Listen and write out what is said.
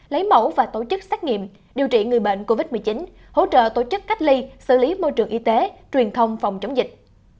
lấy mẫu và tổ chức xét nghiệm điều trị người bệnh covid một mươi chín hỗ trợ tổ chức cách ly xử lý môi trường y tế truyền thông phòng chống dịch